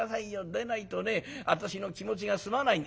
でないと私の気持ちが済まないんで。